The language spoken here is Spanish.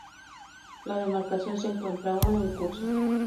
La demarcación se encuentra aún en curso.